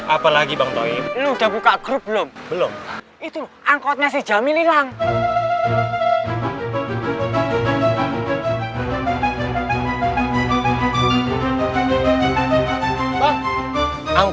apalagi bang toi lu udah buka grup belum belum itu angkotnya si jamil hilang